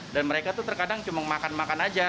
dan mereka itu terkadang cuma makan makan aja